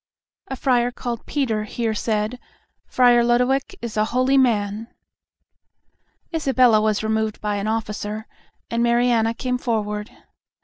A friar called Peter here said, "Friar Lodowick is a holy man." Isabella was removed by an officer, and Mariana came forward.